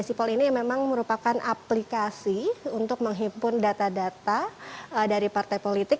sipol ini memang merupakan aplikasi untuk menghimpun data data dari partai politik